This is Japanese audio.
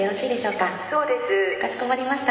かしこまりました。